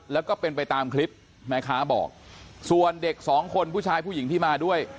แล้วก็เป็นไปตามคลิปแม่ค้าบอกส่วนเด็กสองคนผู้ชายผู้หญิงที่มาด้วย